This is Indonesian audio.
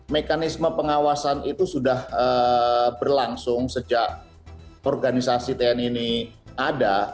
mekanisme pengawasan itu sudah berlangsung sejak organisasi tni ini ada